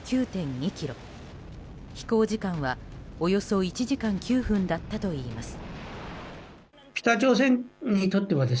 飛行時間はおよそ１時間９分だったといいます。